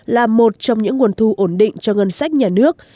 là một trong những nguồn thu ổn định cho ngân sách nhà nước